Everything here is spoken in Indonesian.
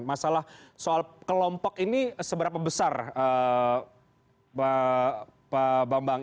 masalah soal kelompok ini seberapa besar pak bambang